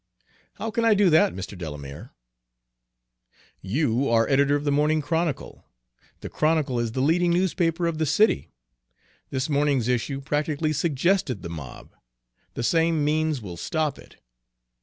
"How can I do that, Mr. Delamere?" "You are editor of the Morning Chronicle. The Chronicle is the leading newspaper of the city. This morning's issue practically suggested the mob; the same means will stop it.